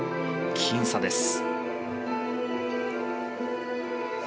僅差です。